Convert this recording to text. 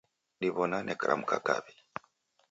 Diw'onane kiramka kaw'i.